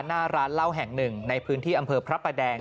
หน้าร้านเหล้าแห่งหนึ่งในพื้นที่อำเภอพระประแดง